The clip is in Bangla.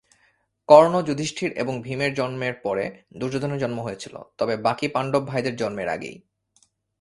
কর্ণ, যুধিষ্ঠির এবং ভীমের জন্মের পরে দুর্যোধনের জন্ম হয়েছিল, তবে বাকী পাণ্ডব ভাইদের জন্মের আগেই।